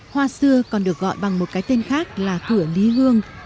hoa xưa còn được gọi bằng một cái tên khác là cửa lý hương